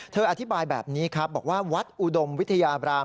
อธิบายแบบนี้ครับบอกว่าวัดอุดมวิทยาบราม